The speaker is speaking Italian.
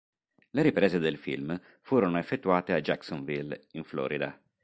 Le riprese del film furono effettuate a Jacksonville, in Florida.